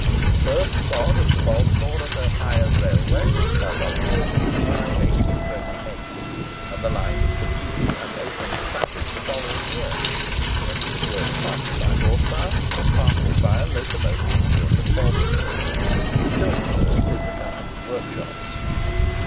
The first sod of the Baltimore and Ohio Railway was cut on the 4th of July, 1828, and the line was completed and opened for traffic in the following year, when it was worked partly by horse power, and partly by a locomotive built at Baltimore, which is still preserved in the Company's workshops.